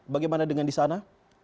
bagaimana dengan di sana